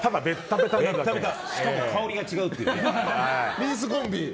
しかも香りが違うという。